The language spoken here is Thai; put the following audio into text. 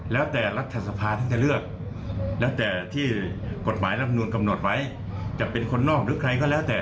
แล้วแต่รัฐสภาที่จะเลือกแล้วแต่ที่กฎหมายรับหนุนกำหนดไว้